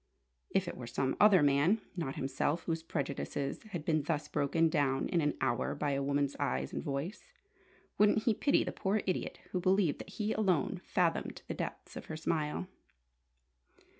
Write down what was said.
If it were some other man, not himself, whose prejudices had been thus broken down in an hour by a woman's eyes and voice, wouldn't he pity the poor idiot who believed that he alone fathomed the depths of her smile?